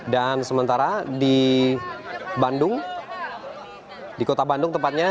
dan sementara di bandung di kota bandung tempatnya